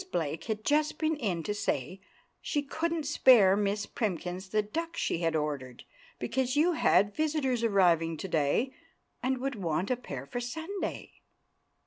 Blake had just been in to say she couldn't spare Miss Primkins the duck she had ordered, because you had visitors arriving to day and would want a pair for Sunday."